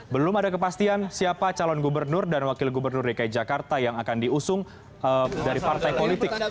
belum ada kepastian siapa calon gubernur dan wakil gubernur dki jakarta yang akan diusung dari partai politik